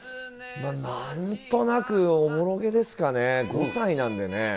なんとなくおぼろげですかね、５歳なんでね。